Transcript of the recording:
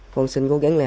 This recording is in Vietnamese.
con xin cố gắng